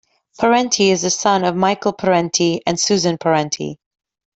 Parenti is the son of Michael Parenti and Susan Parenti.